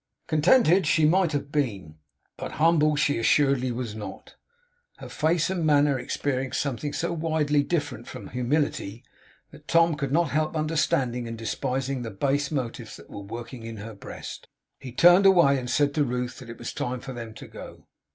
Contented she might have been, but humble she assuredly was not. Her face and manner experienced something so widely different from humility, that Tom could not help understanding and despising the base motives that were working in her breast. He turned away, and said to Ruth, that it was time for them to go.